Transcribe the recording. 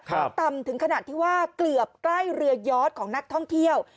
ต่ำถึงขนาดที่ว่าเกือบใกล้เรือยอดของนักท่องเที่ยว